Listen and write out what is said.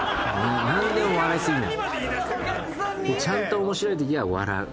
ちゃんと面白い時は笑う。